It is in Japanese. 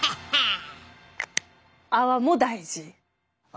泡も大事。